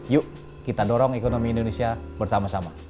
yuk kita dorong ekonomi indonesia bersama sama